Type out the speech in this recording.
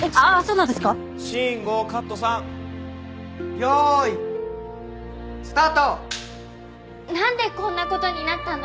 なんでこんな事になったの？